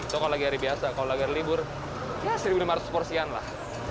so kalau lagi hari biasa kalau lagi hari libur ya seribu lima ratus porsian lah